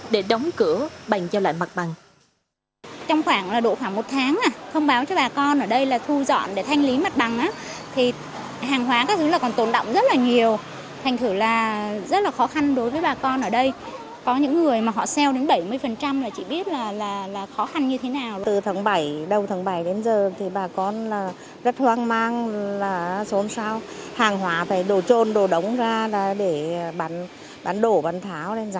để giữ cửa bành cho lại mặt bằng